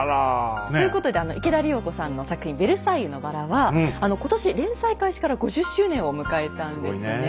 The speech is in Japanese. ということで池田理代子さんの作品「ベルサイユのばら」は今年連載開始から５０周年を迎えたんですね。